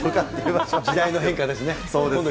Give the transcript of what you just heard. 時代の変化ですね。